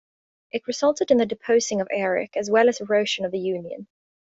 It resulted in the deposing of Eric as well as erosion of the union.